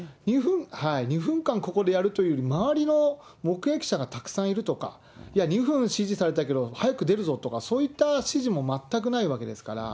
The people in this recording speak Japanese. ２分間ここでやるという、周りの目撃者がたくさんいるとか、いや２分指示されたけど、早く出るぞとか、そういった指示も全くないわけですから。